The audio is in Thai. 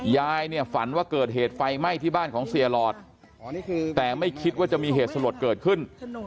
ยายเนี่ยฝันว่าเกิดเหตุไฟไหม้ที่บ้านของเสียหลอดแต่ไม่คิดว่าจะมีเหตุสลดเกิดขึ้น